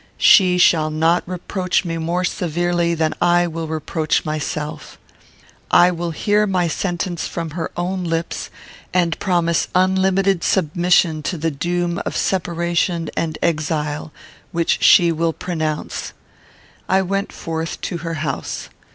She shall not reproach me more severely than I will reproach myself. I will hear my sentence from her own lips, and promise unlimited submission to the doom of separation and exile which she will pronounce. I went forth to her house.